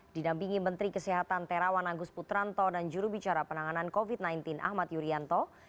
didampingi menteri kesehatan terawan agus putranto dan jurubicara penanganan covid sembilan belas ahmad yuryanto